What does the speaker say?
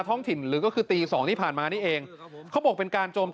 โอ้โหเยอะ